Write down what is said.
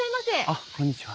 あっこんにちは。